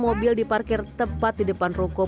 mobil di parkir tepat di depan toko